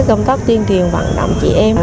công tác tuyên truyền vận động chị em